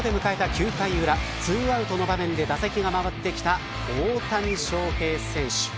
９回裏２アウトの場面で打席が回ってきた大谷翔平選手。